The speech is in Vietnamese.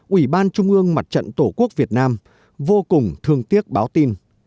ủy ban trung ương mặt trận tổ quốc việt nam vô cùng thương tiếc báo tin